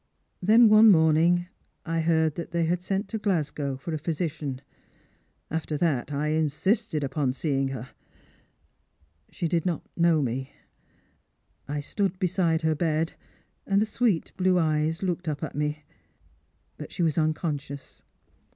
Then one morning I heard they had sent to Glasgow for a physician. After that, I insisted upon seeing her. " She did not know me. I stood beside her bed, and the sweet blue eyes looked up at me, but she was unconscious.